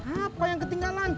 apa yang ketinggalan